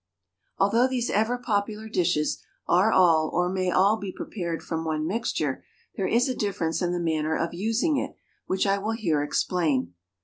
Although these ever popular dishes are all or may all be prepared from one mixture, there is a difference in the manner of using it which I will here explain.